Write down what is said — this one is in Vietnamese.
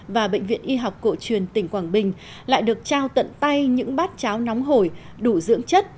và bệnh viện y học cổ truyền tỉnh quảng bình lại được trao tận tay những bát cháo nóng hổi đủ dưỡng chất